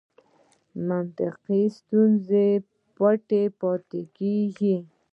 منطقي ستونزې پټې پاتې کېږي.